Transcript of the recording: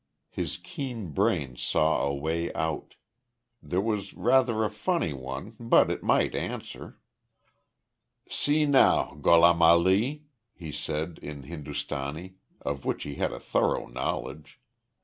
His keen brain saw a way out. It was rather a funny one, but it might answer. "See now, Gholam Ali," he said, in Hindustani, of which he had a thorough knowledge.